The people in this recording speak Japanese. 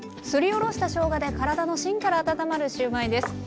すりおろしたしょうがで体の芯から温まるシューマイです。